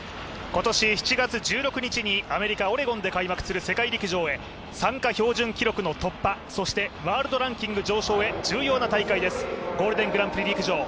今年７月１６日にアメリカ・オレゴンで開幕する世界陸上へ参加標準記録の突破、ワールドランキング上昇へ重要な大会です「ゴールデングランプリ陸上」。